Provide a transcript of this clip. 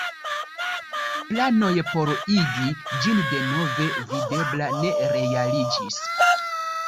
Planoj por igi ĝin denove videbla ne realiĝis.